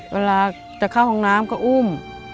เวลาจะเข้าห้องน้ำก็อุ้ม